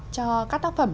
cho các tác phẩm